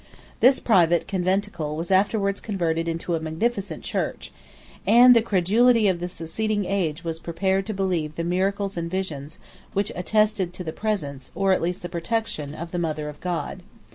This private conventicle was afterwards converted into a magnificent church; and the credulity of the succeeding age was prepared to believe the miracles and visions, which attested the presence, or at least the protection, of the Mother of God.